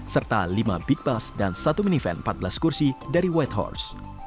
serta lima big bus dan satu minivan empat belas kursi dari whitehorse